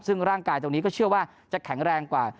ซึ่งร่างกายตรงนี้ก็เชื่อว่าจะแข็งแรงกว่า